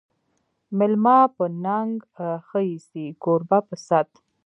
مېلمه په ننګ ښه ایسي، کوربه په صت